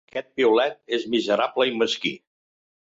Aquest piulet és miserable i mesquí.